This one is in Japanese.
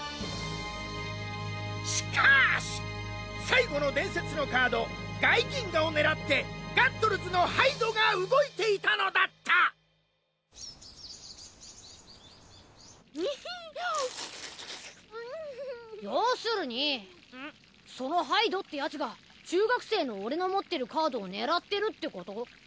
しかし最後の伝説のカードガイギンガを狙ってガットルズのハイドが動いていたのだった要するにそのハイドってヤツが中学生の俺の持ってるカードを狙ってるってこと？